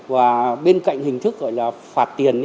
và bên cạnh hình thức gọi là phạt tiền